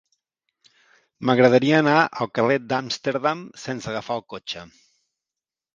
M'agradaria anar al carrer d'Amsterdam sense agafar el cotxe.